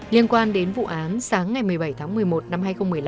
liên quan đến vụ án sáng ngày một mươi bảy tháng một mươi một năm hai nghìn một mươi năm